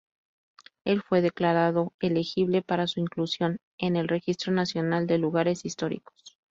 El fue declarado elegible para su inclusión en el Registro Nacional de Lugares Históricos.